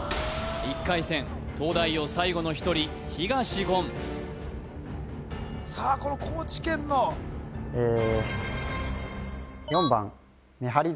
１回戦東大王最後の１人東言さあこの高知県のええ